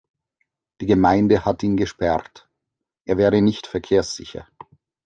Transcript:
Die Gemeinde hat ihn gesperrt. Er wäre nicht verkehrssicher.